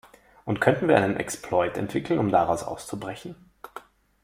Und könnten wir einen Exploit entwickeln, um daraus auszubrechen?